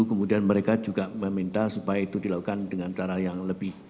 kemudian mereka juga meminta supaya itu dilakukan dengan cara yang lebih